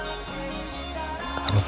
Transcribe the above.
あのさ。